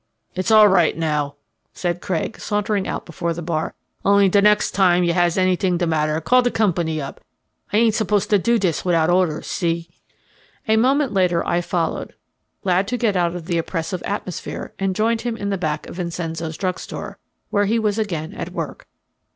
"It's all right now," said Craig, sauntering out before the bar. "Only de next time you has anyt'ing de matter call de company up. I ain't supposed to do dis wit'out orders, see?" A moment later I followed, glad to get out of the oppressive atmosphere, and joined him in the back of Vincenzo's drug store, where he was again at work.